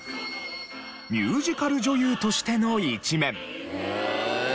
ミュージカル女優としての一面。